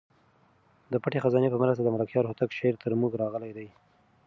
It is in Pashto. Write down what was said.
د پټې خزانې په مرسته د ملکیار هوتک شعر تر موږ راغلی دی.